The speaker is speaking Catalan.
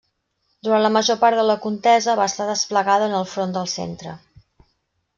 Durant la major part de la contesa va estar desplegada en el front del Centre.